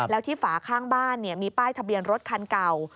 แล้วที่ฝาข้างบ้านมีป้ายทะเบียนรถคันเก่า